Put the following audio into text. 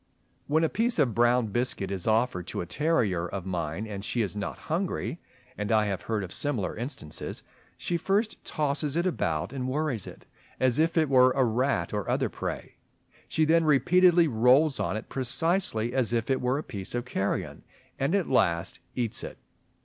When a piece of brown biscuit is offered to a terrier of mine and she is not hungry (and I have heard of similar instances), she first tosses it about and worries it, as if it were a rat or other prey; she then repeatedly rolls on it precisely as if it were a piece of carrion, and at last eats it.